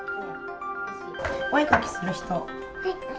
お絵描きする人。